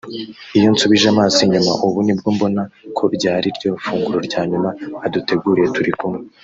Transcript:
Iyo nsubije amaso inyuma ubu ni bwo mbona ko ryari ryo funguro rya nyuma aduteguriye turi kumwe